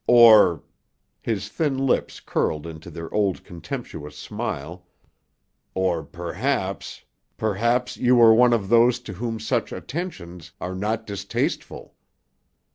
Or—" his thin lips curled into their old contemptuous smile—"or perhaps—perhaps you are one of those to whom such attentions are not distasteful."